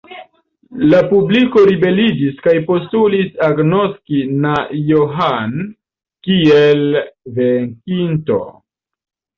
La publiko ribeliĝis kaj postulis agnoski na Johann kiel venkinto.